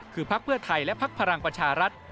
คือพักเพื่อไทยและพักพลังประชารัฐ